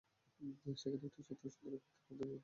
সেখানে একটি চত্বরে সুন্দর আকৃতির একটি দেবীমূর্তি ছিল।